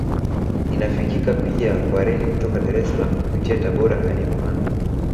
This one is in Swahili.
Inafikika pia kwa reli kutoka Dar es Salaam kupitia Tabora hadi mpanda